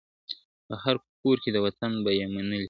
په هر کور کي د وطن به یې منلی `